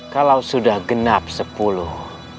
kalau sudah genap sepuluh